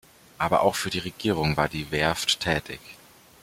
Aber auch für die Regierung war die Werft tätig.